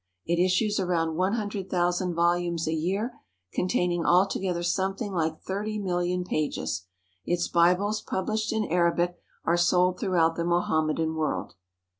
It issues around one hundred thousand volumes a year, containing alto gether something like thirty million pages. Its Bibles published in Arabic are sold throughout the Mohamme dan world.